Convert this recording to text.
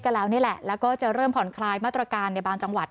แล้วนี่แหละแล้วก็จะเริ่มผ่อนคลายมาตรการในบางจังหวัด